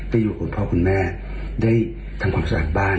อยู่คุณพ่อคุณแม่ได้ทำความสะอาดบ้าน